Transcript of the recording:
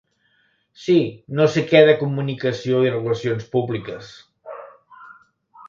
Sí, no sé què de comunicació i relacions públiques.